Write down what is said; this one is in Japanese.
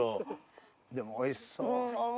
でもおいしそう。